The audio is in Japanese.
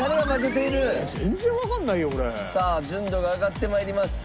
さあ純度が上がって参ります。